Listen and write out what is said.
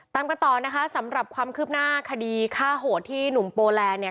ตามกันต่อนะคะสำหรับความคืบหน้าคดีฆ่าโหดที่หนุ่มโปแลนด์เนี่ย